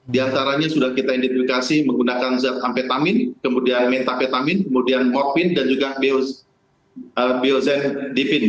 diantaranya sudah kita identifikasi menggunakan zat ampetamin kemudian metapetamin kemudian morfin dan juga biozendipin